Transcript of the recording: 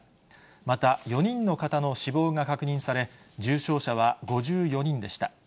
また、４人の方の死亡が確認され、重症者は５４人でした。